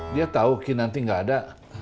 dia tau ki nanti gak ada